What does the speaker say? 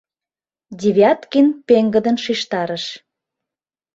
— Девяткин пеҥгыдын шижтарыш.